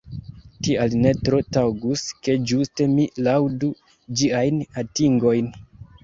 Tial ne tro taŭgus, ke ĝuste mi laŭdu ĝiajn atingojn.